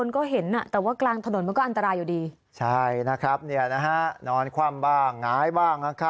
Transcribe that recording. ก็ยังดีที่กลางวันนะ